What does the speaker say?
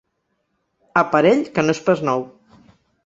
Aparell que no és pas nou.